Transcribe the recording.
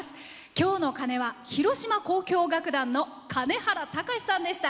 今日の鐘は広島交響楽団の金原俊さんでした。